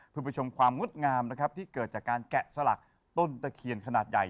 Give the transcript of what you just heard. เพื่อไปชมความงดงามนะครับที่เกิดจากการแกะสลักต้นตะเคียนขนาดใหญ่